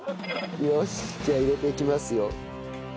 よしじゃあ入れていきますよ。